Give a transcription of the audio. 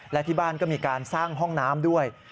และที่บ้านก็มีการสร้างห้องน้ำด้วย